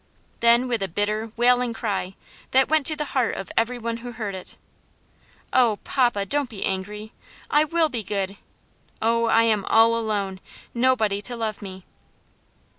Then, with a bitter, wailing cry, that went to the heart of every one who heard it: "Oh, papa, don't be angry! I will be good! Oh, I am all alone, nobody to love me."